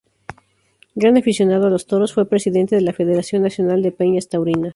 Gran aficionado a los toros, fue presidente de la Federación Nacional de Peñas Taurinas.